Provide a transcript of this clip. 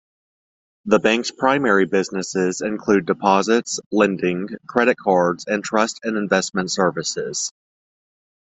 The bank's primary businesses include deposits, lending, credit cards, and trust and investment services.